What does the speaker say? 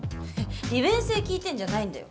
利便性聞いてんじゃないんだよ。